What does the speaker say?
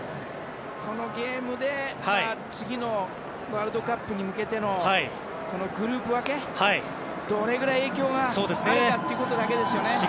このゲームで次のワールドカップに向けてのグループ分け、どれぐらい影響があるかってことだけですよね。